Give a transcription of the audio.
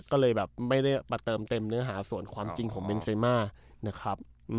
ก็เลยแบบไม่ได้มาเติมเต็มเนื้อหาส่วนความจริงของเบนเซมานะครับ